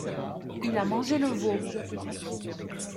Il a mangé le veau !